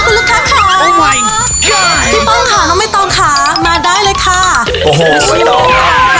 คุณลูกค้าค่ะพี่ป้องค่ะน้ำไม่ต้องค่ะมาได้เลยค่ะโอ้โหไม่ต้อง